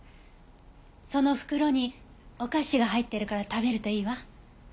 その袋にお菓子が入ってるから食べるといいわ。